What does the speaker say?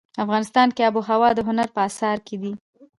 افغانستان کې آب وهوا د هنر په اثار کې دي.